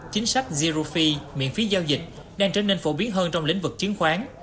chính sách zero fee đang trở nên phổ biến hơn trong lĩnh vực chiến khoán